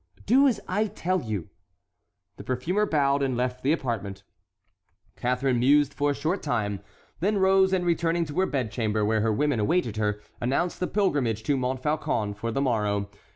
"Do as I tell you." The perfumer bowed and left the apartment. Catharine mused for a short time, then rose and returning to her bedchamber, where her women awaited her, announced the pilgrimage to Montfaucon for the morrow.